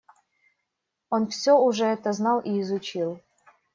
Он всё уже это знал и изучил.